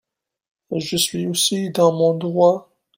Je suis aussi dans mon droit.